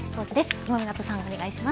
今湊さん、お願いします。